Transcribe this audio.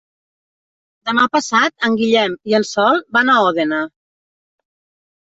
Demà passat en Guillem i en Sol van a Òdena.